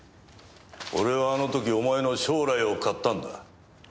俺はあの時お前の将来を買ったんだ。